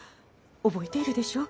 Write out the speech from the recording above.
覚えているでしょ。